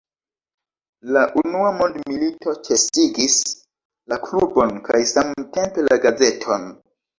La unua mondmilito ĉesigis la klubon kaj samtempe la gazeton.